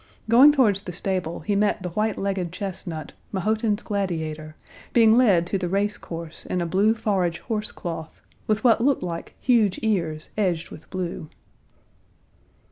Going towards the stable, he met the white legged chestnut, Mahotin's Gladiator, being led to the race course in a blue forage horsecloth, with what looked like huge ears edged with blue.